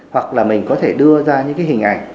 hoặc là mình có thể đưa ra những cái hình ảnh